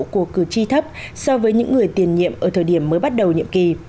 của cử tri thấp so với những người tiền nhiệm ở thời điểm mới bắt đầu nhiệm kỳ